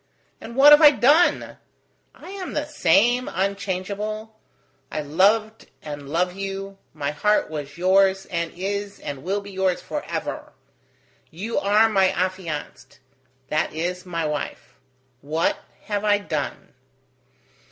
And what have I done? I am the same, unchangeable. I loved and love you: my heart was yours, and is, and will be yours forever. You are my affianced that is, my wife. What have I done?"